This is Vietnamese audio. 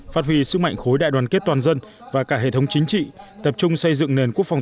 phát huy sức mạnh khối đại đoàn kết toàn dân và cả hệ thống chính trị tập trung xây dựng nền quốc phòng